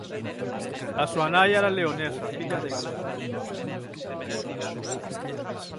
A súa nai era leonesa filla de galegos.